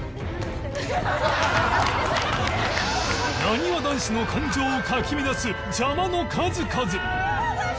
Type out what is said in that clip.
なにわ男子の感情をかき乱す邪魔の数々！